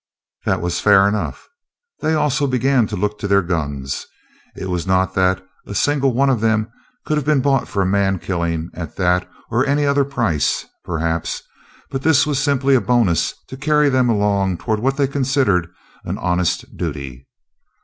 That was fair enough. They also began to look to their guns. It was not that a single one of them could have been bought for a mankilling at that or any other price, perhaps, but this was simply a bonus to carry them along toward what they considered an honest duty.